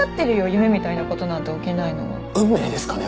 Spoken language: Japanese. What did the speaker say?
夢みたいなことなんて起きないのは運命ですかね